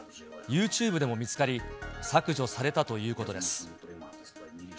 ユーチューブでも見つかり、削除されたということです。